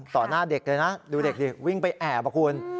หน้าเด็กเลยนะดูเด็กดิวิ่งไปแอบอ่ะคุณ